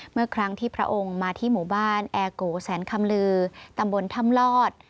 เมื่อครั้งที่พระองค์มาที่หมู่บ้านแอร์โกแสนคำลือตำบลถ้ำลอด